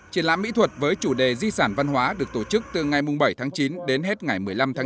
triển lãm mỹ thuật với chủ đề di sản văn hóa được tổ chức từ ngày bảy tháng chín đến hết ngày một mươi năm tháng chín